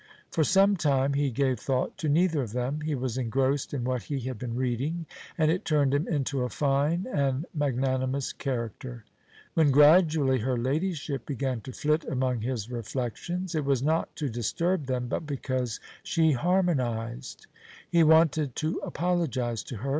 For some time he gave thought to neither of them; he was engrossed in what he had been reading, and it turned him into a fine and magnanimous character. When gradually her Ladyship began to flit among his reflections, it was not to disturb them, but because she harmonized. He wanted to apologize to her.